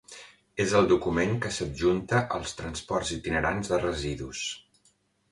És el document que s'adjunta als transports itinerants de residus.